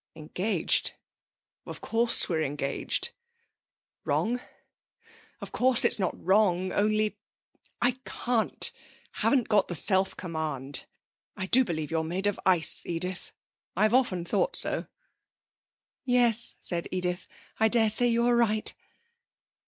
'Engaged? Of course we're engaged. Wrong? Of course it's not wrong! Only... I can't! Haven't got the self command.... I do believe you're made of ice, Edith I've often thought so.' 'Yes,' said Edith, 'I dare say you're right.'